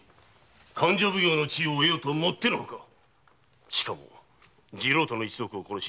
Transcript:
勘定奉行の地位を得ようとはもってのほかしかも次郎太の一族を殺し